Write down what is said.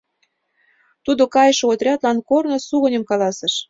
Тудо кайыше отрядлан корно сугыньым каласыш.